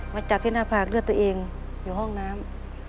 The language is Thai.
มาจับเทศนภาพเลือดตัวเองอยู่ห้องน้ำ